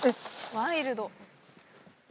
ワイルド。